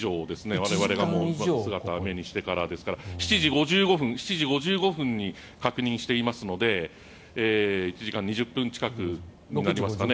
我々が姿を目にしてからですから７時５５分に確認していますので１時間２０分近くになりますかね。